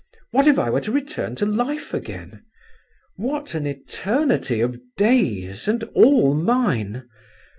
What if I were to return to life again? What an eternity of days, and all mine!